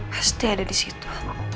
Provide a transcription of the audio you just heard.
pasti ada disitu